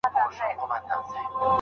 کومه روزنه د ميرمني لپاره جنت ګټي؟